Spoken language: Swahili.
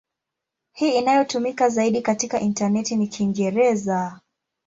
Hii inayotumika zaidi katika intaneti ni Kiingereza.